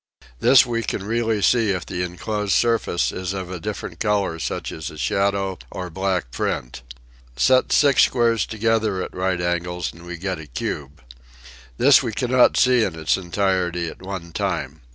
This we can really see if the enclosed surface is of a different color such as a shadow or black print. Set six squares together at right angles and we get a cube. This we cannot see in its entirety at one time.